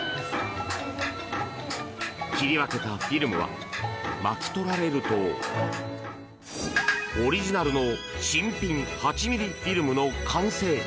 切り分けたフィルムは巻き取られるとオリジナルの新品８ｍｍフィルムの完成。